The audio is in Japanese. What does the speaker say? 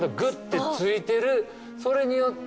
それによって。